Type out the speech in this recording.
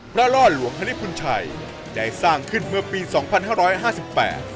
ล่อหลวงฮริปุญชัยได้สร้างขึ้นเมื่อปีสองพันห้าร้อยห้าสิบแปด